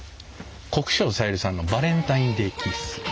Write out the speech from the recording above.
国生さゆりさんの「バレンタインデイ・キッス」。